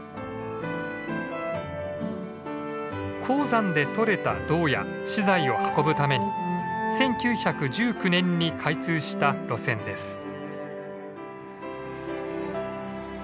鉱山で採れた銅や資材を運ぶために１９１９年に開通した路線です。